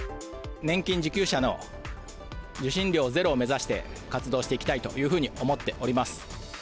年金受給者の受信料ゼロを目指して、活動していきたいというふうに思っております。